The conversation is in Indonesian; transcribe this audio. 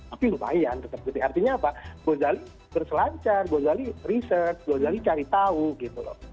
tapi lumayan tetap artinya apa gozali terselancar gozali research gozali cari tahu gitu loh